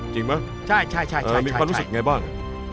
จริงมั้ยมีความรู้สึกไงบ้างใช่